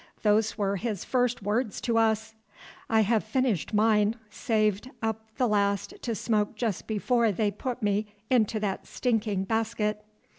(Those were his first words to us!) "I have finished mine, saved up the last to smoke just before they put me into that stinking basket."